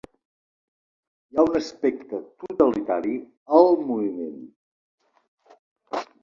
Hi ha un aspecte totalitari al moviment.